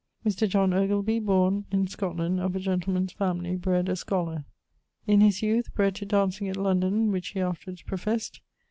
Mr. John Ogilby, borne ... in Scotland, of a gentleman's family; bred a scholar. In his youth bred to dancing at London: which he afterwards professed.